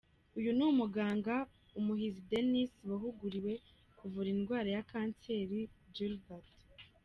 Uyu ni Muganga Umuhizi Denis wahuguriwe kuvura indwara ya kanseri Gilbert.